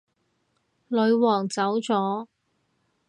女皇走咗